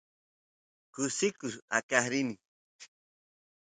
kusikus aqaq rini